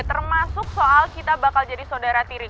termasuk soal kita bakal jadi saudara tiri